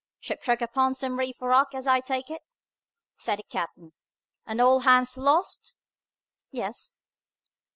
"Ship struck upon some reef or rock, as I take it," said the captain, "and all hands lost?" "Yes."